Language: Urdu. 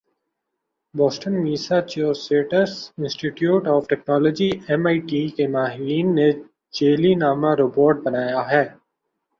Boston Massachusetts Institute of Technology M I T کے ماہرین نے جیلی نما روبوٹ بنایا ہے